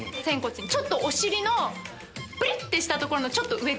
ちょっとお尻のぷりってしたとこのちょっと上。